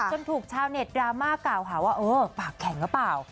จนถูกชาวเน็ตดราม่าก่าวหาว่าปากแข็งกับเปล่า